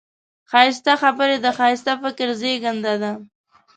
ښایسته خبرې د ښایسته فکر زېږنده ده